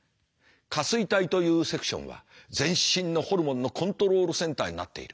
下垂体というセクションは全身のホルモンのコントロールセンターになっている。